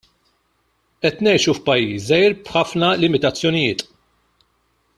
Qed ngħixu f'pajjiż żgħir b'ħafna limitazzjonijiet.